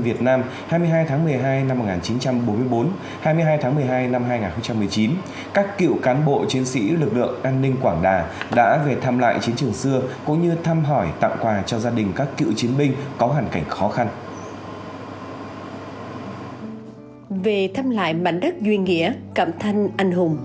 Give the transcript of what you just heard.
về thăm lại mạnh đất duyên nghĩa cậm thanh anh hùng